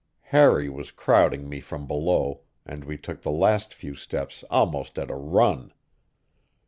Harry was crowding me from below, and we took the last few steps almost at a run.